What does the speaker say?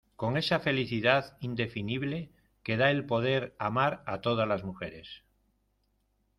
con esa felicidad indefinible que da el poder amar a todas las mujeres.